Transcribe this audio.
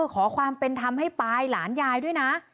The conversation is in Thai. ขอความเป็นธรรมให้ปายหลานยายด้วยนะ